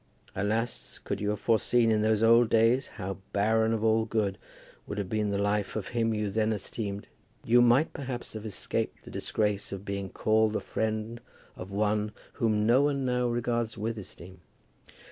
Alas, could you have foreseen in those old days how barren of all good would have been the life of him you then esteemed, you might perhaps have escaped the disgrace of being called the friend of one whom no one now regards with esteem.